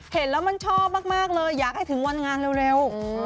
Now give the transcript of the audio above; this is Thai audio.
เห็นแล้วมันชอบมากเลยอยากให้ถึงวันงานเร็ว